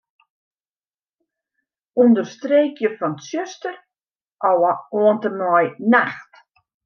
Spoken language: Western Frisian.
Understreekje fan 'tsjuster' ôf oant en mei 'nacht'.